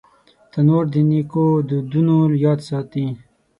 تنور د نیکو دودونو یاد ساتي